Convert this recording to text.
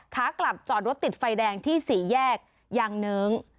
ขากลับจอดรถติดไฟแดงที่สี่แยกยางเนิ้ง